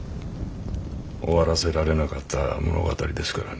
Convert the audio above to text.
終わらせられなかった物語ですからね。